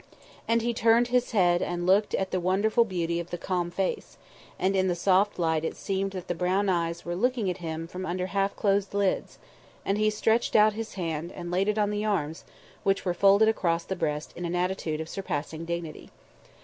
And he turned his head and looked at the wonderful beauty of the calm face, and in the soft light it seemed that the brown eyes were looking at him from under half closed lids, and he stretched out his hand and laid it on the arms which were folded across the breast in an attitude of surpassing dignity.